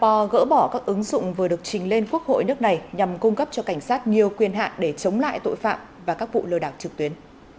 bộ đội vụ singapore gỡ bỏ các ứng dụng vừa được trình lên quốc hội nước này nhằm cung cấp cho cảnh sát nhiều quyền hạn để chống lại tội phạm và các vụ lừa đảo trực tuyến